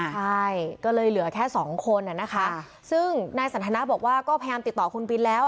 ใช่ก็เลยเหลือแค่สองคนอ่ะนะคะซึ่งนายสันทนาบอกว่าก็พยายามติดต่อคุณบินแล้ว